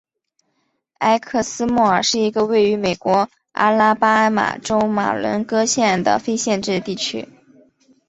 埃克斯莫尔是一个位于美国阿拉巴马州马伦戈县的非建制地区。